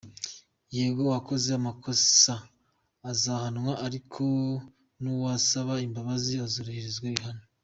Yego uwakoze amakosa azahanwa ariko n’uwasaba imbabazi yakoroherezwa ibihano.